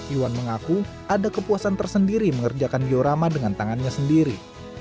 iwan mengaku ada kepuasan tersendiri mengerjakan diorama dengan tangannya sendiri